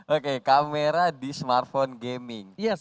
oke kamera di smartphone gaming